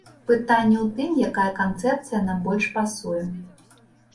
Пытанне ў тым, якая канцэпцыя нам больш пасуе.